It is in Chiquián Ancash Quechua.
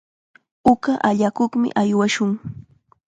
Uqa allakuqmi aywashun.